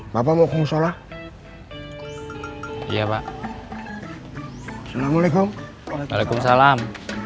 bapak mau sholat iya pak assalamualaikum waalaikumsalam